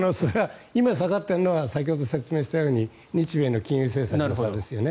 今下がっているのは先ほど説明したように日米の金融政策の差ですよね。